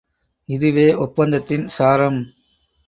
இதுவே ஒப்பந்தத்தின் சாரம்.